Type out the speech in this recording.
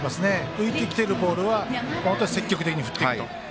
浮いてきているボールは積極的に振っていくと。